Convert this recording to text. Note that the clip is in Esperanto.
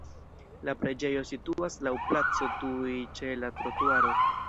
La preĝejo situas laŭ placo tuj ĉe la trotuaro.